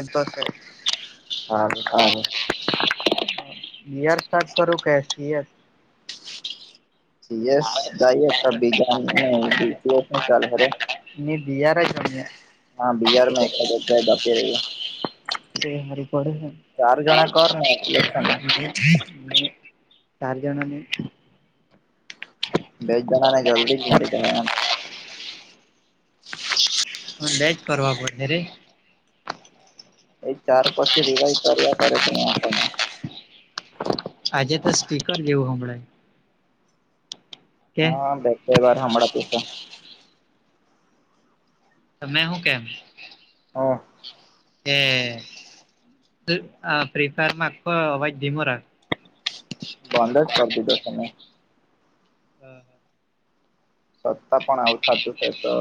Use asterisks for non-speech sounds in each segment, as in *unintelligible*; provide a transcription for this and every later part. એ તો છે. હારુ ખા હે. બીયર સ્ટાર્ટ કરું કે કેયર. સી યેસ જાઈએ તો બીજા નું સી એસ ન ચાલે રે. ને બી આર આઈ જમ્યા. હા બિહાર માં એકા ગ આપી રહીએ. તે હારું પડે ને. ચાર જણા કર ને એટલે છે ને ને ચાર જણા ને બે જણાના ને જલ્દી જ મારી દે એમ. અહ બેજ કરવા પડશે રે. એ ચાર પછી રિવાયવ કરવા પડે ને આપણને. આજે તો સ્પીકર જેવું હભળાય. હા બેસે કાઈ વાર હંબાડાતું છે. તમને હું કેમ? હા. એ અહ ફ્રી ફાયર માં અવાજ ધીમો રાખ. બંધ જ કરી દીધો છે મેં. હા. છતાં પણ આવું થાતું છે તો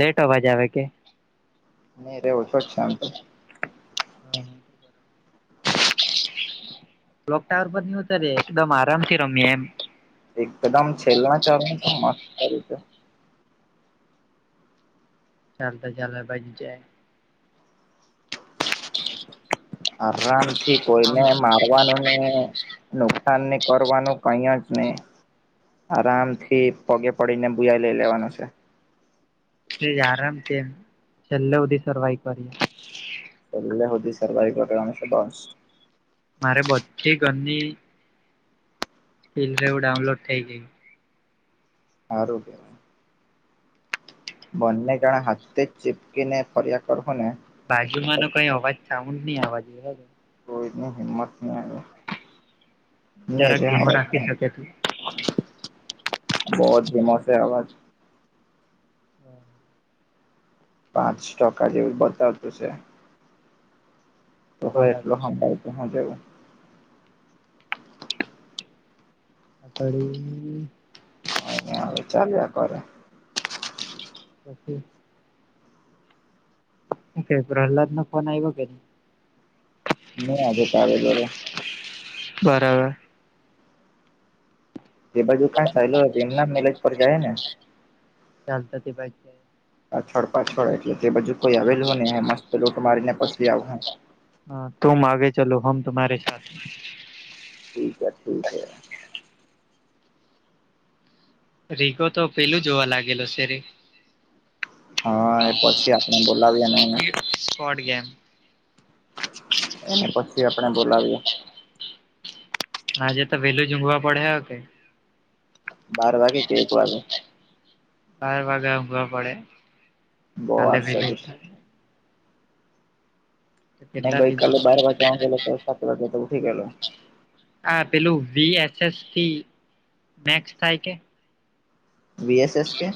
લેટ અવાજ આવે કે. નહીરે ઓછો જ છે એમ તો. હા. કલોક ટાવર પર નહીં ઉતર એકદમ આરામથી રમીએ એમ. એકદમ છેલના ચાલ તો મસ્ત કરી છે. ચાલતા ચાલ ભજ જાય. આરામ થી કોઈને જાય માં થવાનું ને નુકસાન ને કરવાનું કઈ જ ને. આરામ થી પગે પડીને બુયાઈ લઈ લેવાનું છે. તે જ આરામ થી એમ છેલ્લે સુધી સર્વાઈવ કરીએ. છેલ્લે હુધી સર્વાઈવ કરવાની છે બોસ. મારે બધી ઘરની પીલ જેવ ડાઉનલોડ થઈ ગઈ. હારું કેવાય. બને જણા હાતે ચીપકીને ફર્યા કરહુને બાજુમાં નો કઈ અવાજ સાઉન્ડ ની આવવા જોઈએ હકે. *inaudible* જરાક ધીમો રાખી શકે તું બોજ ધીમો છે અવાજ. હા. પાંચ ટકા જેવું બતાવતું છે. તો હો બરાબર એટલો *inaudible* *unintelligible* એ હવે ચાલ્યા કરે. પછી. હું કેય પ્રહલાદનો ફોન આયવો કે ની. નીરે આજે તો આવેલો રે. બરાબર. એ બાજુ કા ચાયલો એમના મેલેજ પર જાય ને. ચાલતા *inaudible* પાછળ પાછળ એટલે એબાજુ કોઈ આવેલું ને લૂટ મારી ને પછી આવહું હા તુમ આગે ચલો હમ તુમ્હારે સાથ ઠીક એ ઠીક એ. રીકો તો પેલું જોવા લાગેલો છેે રે. હા એ પછી આપણે બોલાવાયે ને. એને શોર્ટ ગેમ. એને પછી આપણે બોલાવીએ. આજે તો વેહેલુંજ ઊંઘવા પડહે હ કે. બાર વાગે કે એક વાગે. બાર વાગે ઊંઘવા પડે બો કાલે વાર *inaudible* છે હજુ હું કેટલા ગઈ દિવસ કાલે બાર વાગે ઊંઘેલો તો સાત વાગ્યે તો ઉઠી ગેલો. આ પેલું વી એસએસ થી મેક્સ થાય કે. વી એસએસ કે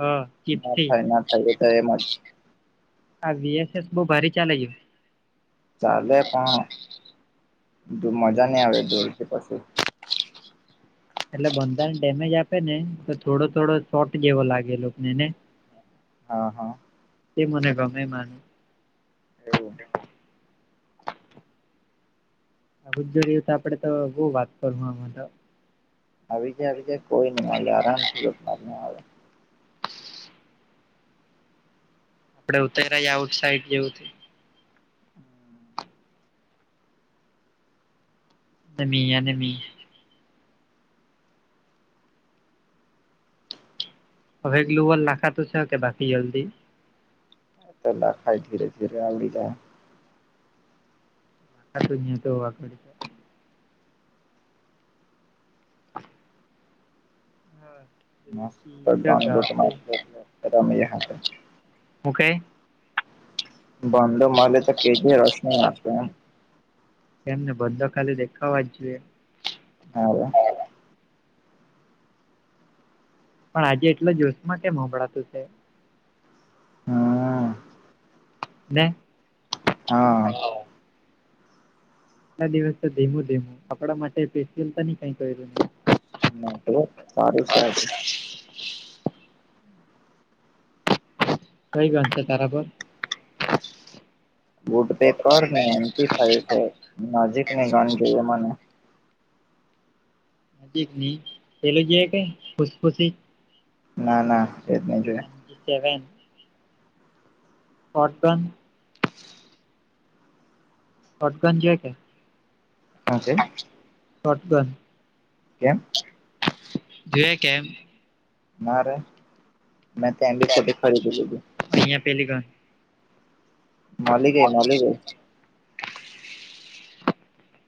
હ ના ચીપથી થાય ના થાય એ તો એમજ. આ વી એસએસ બો ભારે ચાલે જો. ચાલે પણ મજા ની આવે દૂરથી પછી. એટલે બંદા ડેમેજ આપે ને તો થોડો થોડો શોટ જેવો લાગે એ લોકોને ને. હા હા. તે મને ગમે માન એવું. આ બધું રિયુ તો આપડે તો બો વાત કરું આમાં તો. આવી જા આવી જા કોઈ ની મળે આરામથી *inaudible* આપડે ઉતર્યાજ આઉટ સાઈડ જેવું *inaudible* હવે ગ્લુવલ નાખા તું છે કે હા બાકી જલ્દી. એ તો લાખાય ધીરે ધીરે આવંડી જાય. *inaudible* *inaudible* હા. *inaudible* હું કેય. ભડો મળલે તો કેજો રોશની નાખે એમ તેમમને બધા ખાલી દેખાવા જ જોઈએ. *unintelligible* પણ આજે એટલા જોશમાં કેમ સાભળતું છે? હમ *inaudible* હા લા દિવસ તો ધીમું ધીમું આપડા માટે પેશિલ કઈ કર્યું નહી. *unintelligible* સારું છે આજે કઈ *unintelligible* છે તારા પર બૂટ પે કર ને એમ થાય છે નજીક ને ગણ જોઈએ મને નજીકની પેલું જે કે ખુશ ખુશ ના ના એજ નહી જોય. *unintelligible* બટન શોટગન જે કે, હું કે શટગન કેમ? જોએ કેમ મારે ત્યા ફોટી ખરીદી લીધી અહીયા પહેલી ગા મળી જાય મળી ગઈ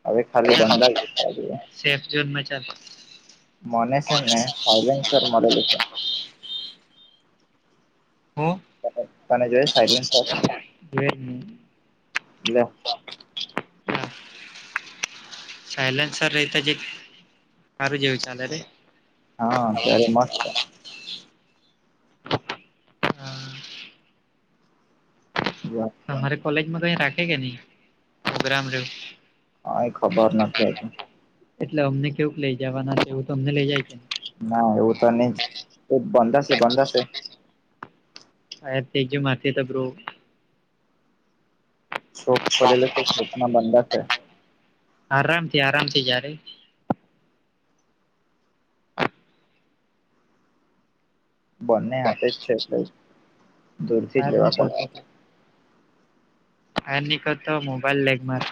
હવે ખાલી ચાલ બંધા જ રયા *unintelligible* મને સેને ફાઈવેનસર મલેલુ છે. હું તને જોઈ સાઇલન્ટ ફોમ *unintelligible* *unintelligible* સાયલેનસર રેતા જે, સારું જેવું ચાલે રે હા ત્યારે મસ્ત *inaudible* અમારે કોલેજમાં તો અહી રાખે કે નહી, પ્રોગ્રામ ર કાંઈ ખબર નથી હોતી એટલે અમને કેવુંક લઈ જવાના છે, એવું તમને લઇ જાય છે ને ના એવું તો નહી જ એ બંધશે બંધશે આ તેજ માથે તો બ્રો શોપ ખોલેલો છે, શોપમાં બંધાશે આરામથી, આરામથી જારે બંને હાથે જ છે એટ, દૂરથી જ લેવા પડ હાર નીકળ તો મોબાઈલ લેગ માર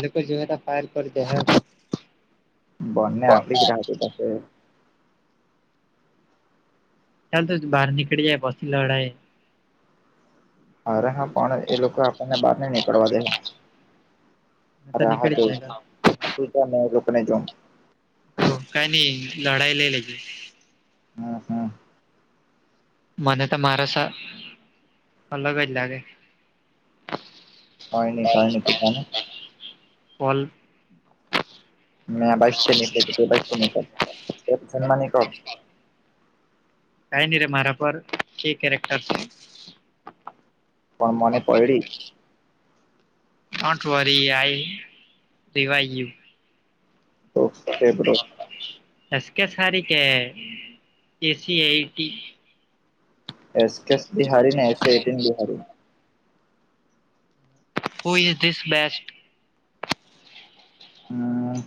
*inaudible* લોકો જોવા ત ફાયર કરી દે બને આપડી જ રાહક પાશે ચાલ તો બહાર નીકળી જાય પછી લડાય અરે હા પણ લોકો આપણને નીકળવા દે. તો અરે હા નીકળી જો, હ પ રોકને જાઉ તો કઈની લડાય લઈ લે જે *unintelligible* મને તો તમારા સા અલગ જ લાગે. કાઈ ની કાઈ ની તું *unintelligible* ઓલ ને આબાજથી નીકળ તેબાજથી નીકળ *unintelligible* કઈ નીરે મારા પર કે કેરેક્ટર છે. પણ મને પયડી. Don't worry I review. Okay bro. S. કે સારી, કે એસી, આઈ, ટી. એસ, કેસ બી હારી ને એસી, આઈ, ટી બી હારી. Who is this best. Um.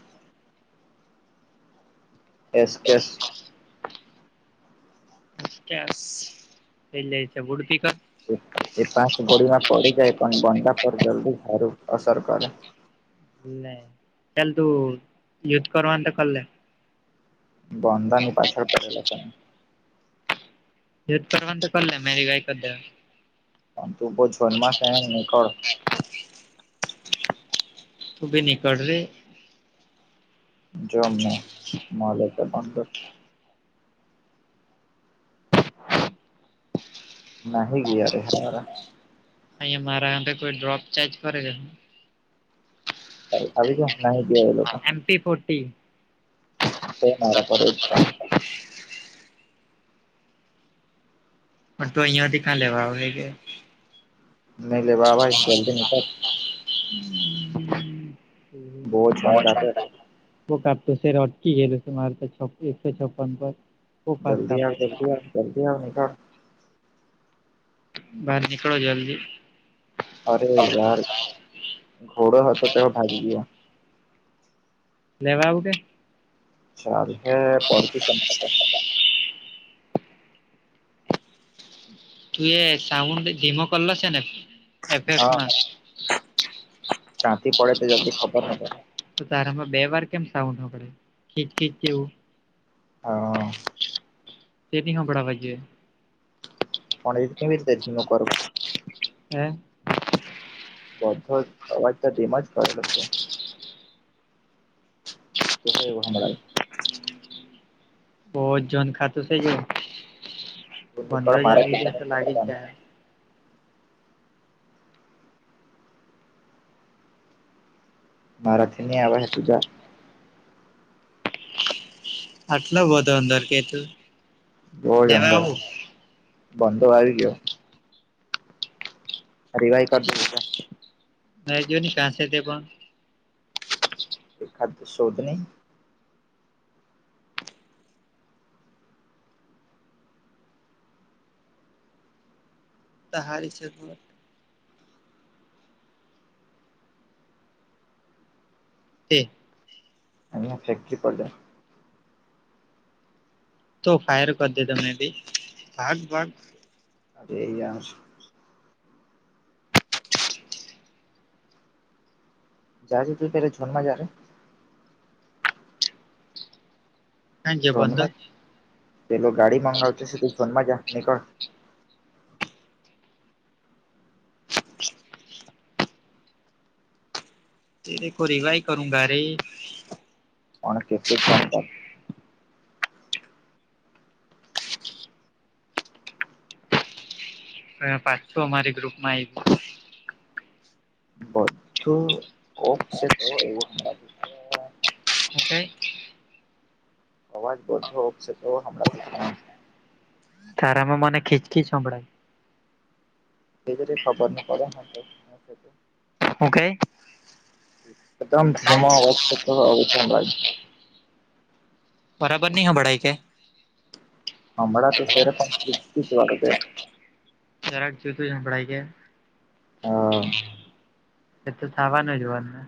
S case S case એટલે ઈ ત ગુડ *unintelligible* એ એ પાંચ ગોળીમાં પડી જાય પણ બંદા પર જલ્દી હારું અસર કરે. લે ચાલ તું યુદ્ધ કરવાનું ત કર લે. બંદાની પાછળ પડેલો છે મેં. યુદ્ધ કરવાનું તો કરલે મે રીવાય કરી દેવા. પન તું બો ઝોન સે એમ નીકળ. તુ બી નીકળ રે. જોમને મલે ત બંધ નાહી ગીયા રે હારા. અહીંયા મારા અંદર કોઈ ડ્રોપ ચાર્જ કરે *unintelligible* આ આવી ગયા. નાહી ગીયા *unintelligible* એમ ટી ફોર્ટી. છે મારા પર એક ત. પણ તું અહિયાંથી કા લેવા આવહે કે, નઈ લેવા આવય *unintelligible* બહુ જોન કાપે *unintelligible* બો કાપતો સેરે અટકી ગેલો છે મારે તો છપ એકસો છપ્પન પર. બો ફાસ્ટ જલ્દી કાપાય આવ જલ્દી આવ જલ્દી આવ નીકળ. બાર નીકળો જલ્દી. અરે યાર ઘોડો હતો તેહો ભાગી ગીયો. લેવા આવું કે? ચાલહે પડતીસે અમારે ત. તું એ સાઉન્ડ બી ધીમો કરલો સેને એફેસ મા. કાંથી પડે તે જલ્દી ખબર ની પડે. તો તારામાં બે વાર કેમ સાઉન્ડ હંભળાય ખીચ ખીચ એવું. હ... તે ની હંભડાવા જોયે. પણ એવી કેવી રીતે ધીમો કરું. હે? બધો અવાજ તો ધીમાં જ કરે લો છે *unintelligible* તોબી એવું હંભળાય બહ જ જોન ખાતું થઈ ગયુ, તું નીકળ બંધો જ મારાથી તને તો લાગી જહે નીકળવાનું મારાથી ની *unintelligible* આવાધા આટલો બધો અંદર કે તું બહુ જ લેવા અંદર આવું બંધો આવી ગ્યો *unintelligible* ના જો ને કાંસે તે પણ એખાદ શોધની તહાર છે ઘર તે એ ફેક્ટરી પડલે તો ફાયર કરી દે ત મેને બી ભાગ ભાગ હ એહીય છે જજ તું પેર ઝન્મા જ રારે *unintelligible* ક જે બંદર સોનમાં પેલો ગાડી મગાવતો છે તું સોનમાં જા નીકળ તેરે કો રિવાહી કરુંગા રે અને કે પેછન ક *unintelligible* પાછું અમારી ગ્રુપમાં આવી બો ું *unintelligible* ઓક છે ક એવું હુ કે? અવાજ બોધક છે, એવું હમણાંતું તોણા તો તારા મા મને ખીચ ખીચ સંભળાય એ જ ખબર નની *unintelligible* પડે હ હુ કે? એકદમ ધીમા અવાજ પર આવુંજ હમડાયે બરાબર ની હંમળાય કે? હમણાંતુ સેરે પણ ઠીક ઠીક *unintelligible* જરાટ જુદુ સંભળાય છે હા એ તો થાવાનું જવા ને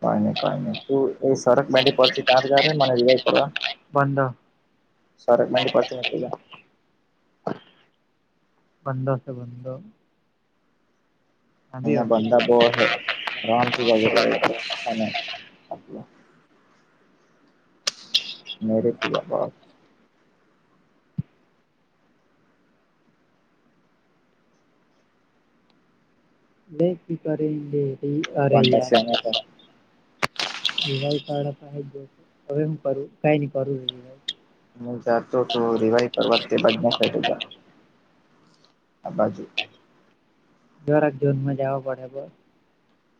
કોઈ નઈ કોઈ નહી ત એ સર પડ ત મને રિવાઇવ કરવા બંધ સાર મડી પરડચ *unintelligible* બંધોશે બંધો સાંભળ્યો અહિયાં બંધા બહું અહે આરામથી વગેરે મેરે પુજા બા *unintelligible* અરે યાર બંદા વાઈ તારા પાસે હવે એમ કરું કઈ નઈ કરું રીવાઈ મે જાતો તો રિવાઈ કરવા તે બાજુ નહતો જતો, આ બાજુ જોરાક ઝોનમાં જવા પડે બ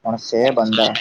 પણ સે બંદા